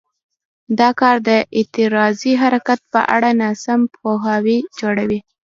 دا کار د اعتراضي حرکت په اړه ناسم پوهاوی جوړوي.